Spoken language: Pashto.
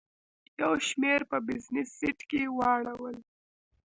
یو شمېر په بزنس سیټ کې واړول.